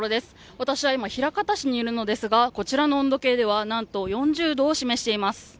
私は今、枚方市にいるのですがこちらの温度計ではなんと４０度を示しています。